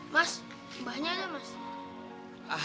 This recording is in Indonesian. mas mbahnya ada mas